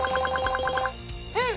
うん。